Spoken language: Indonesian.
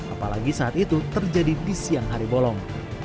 apalagi saat itu terjadi di siang hari bolong